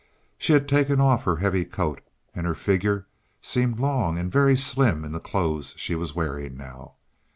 She had taken off her heavy coat, and her figure seemed long and very slim in the clothes she was wearing now.